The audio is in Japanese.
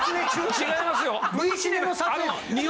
違いますよ。